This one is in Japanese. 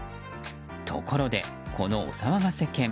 ところで、このお騒がせ犬